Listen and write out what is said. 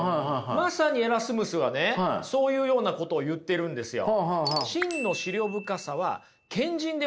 まさにエラスムスはねそういうようなことを言っているんですよ。